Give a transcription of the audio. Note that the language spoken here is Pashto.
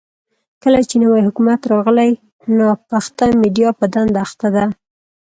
کله چې نوی حکومت راغلی، ناپخته میډيا په دنده اخته ده.